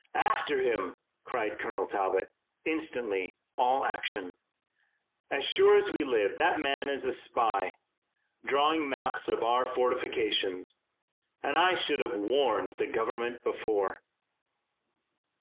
"After him!" cried Colonel Talbot, instantly all action. "As sure as we live that man is a spy, drawing maps of our fortifications, and I should have warned the Government before."